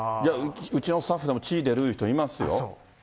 うちのスタッフでも、血出るという人いますよ。